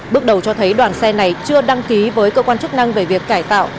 bước đầu cho thấy đoàn xe này chưa đăng ký với cơ quan chức năng về việc cải tạo